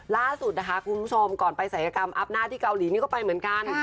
ล่าสุดนะคะคุณผู้ชมก่อนไปศัยกรรมอัพหน้าที่เกาหลีนี่ก็ไปเหมือนกัน